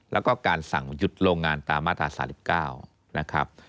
แล้วก็การสั่งหยุดโรงงานตามมาตรา๓๙นะครับ